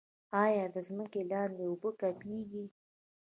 آیا د ځمکې لاندې اوبه کمیږي؟